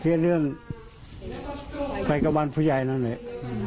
เพียงเรื่องไปกับวันผู้ใหญ่นั่นแหละ